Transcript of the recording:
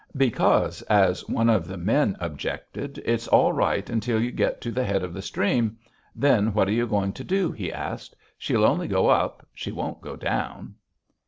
"Because," as one of the men objected, "it's all right until you get to the head of the stream. Then what are you going to do?" he asked. "She'll only go up she won't go down."